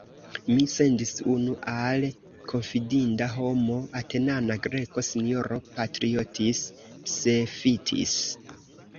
Mi sendis unu al konfidinda homo, Atenana Greko, S-ro Patriotis Pseftis.